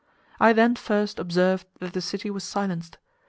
I then first observed that the city was silenced.